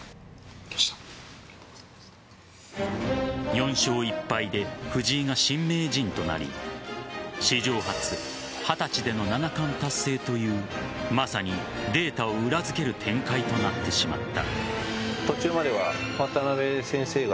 ４勝１敗で藤井が新名人となり史上初二十歳での七冠達成というまさに、データを裏付ける展開となってしまった。